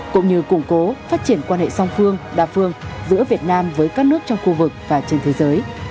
cũng như củng cố phát triển quan hệ song phương đa phương giữa việt nam với các nước trong khu vực và trên thế giới